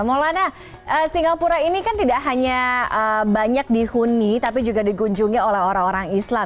maulana singapura ini kan tidak hanya banyak dihuni tapi juga dikunjungi oleh orang orang islam